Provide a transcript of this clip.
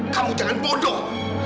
kamu jangan bodoh